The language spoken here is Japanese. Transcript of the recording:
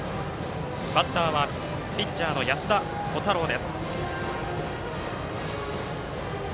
バッターはピッチャーの安田虎汰郎です。